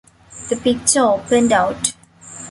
The picture opened out.